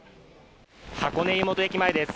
箱根湯本駅前です。